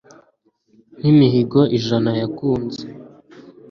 nk'imihigo ijana yakunze